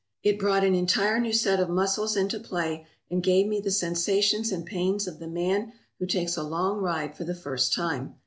It brought an entire new set of muscles into play and gave me the sensations and pains of the man who takes a long ride for the first time.